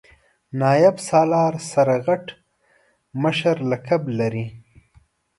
نایب سالار سرغټ مشر لقب لري.